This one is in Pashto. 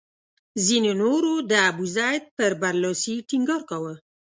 ځینو نورو د ابوزید پر برلاسي ټینګار کاوه.